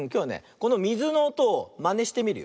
このみずのおとをまねしてみるよ。